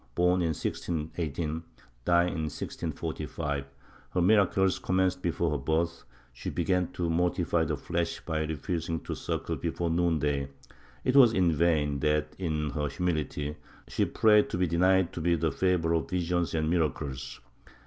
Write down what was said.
Born in 1618 and djang in 1645, her miracles commenced before her birth, and she began to mortify the flesh by refusing to suckle before noon day. It was in vain that, in her humility, she prayed to be denied the favor of visions and miracles.